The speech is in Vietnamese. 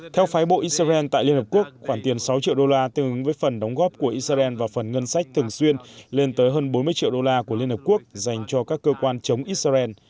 theo phái bộ israel tại liên hợp quốc khoản tiền sáu triệu đô la tương ứng với phần đóng góp của israel vào phần ngân sách thường xuyên lên tới hơn bốn mươi triệu đô la của liên hợp quốc dành cho các cơ quan chống israel